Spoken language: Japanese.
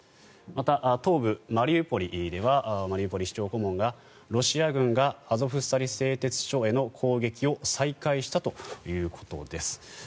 また、東部マリウポリではマリウポリ市長顧問がロシア軍がアゾフスタリ製鉄所への攻撃を再開したということです。